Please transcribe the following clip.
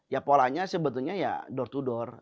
ya polanya sebetulnya ya door to door